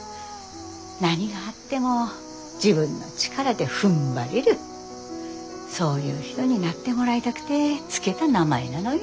何があっても自分の力でふんばれるそういう人になってもらいだくて付けだ名前なのよ。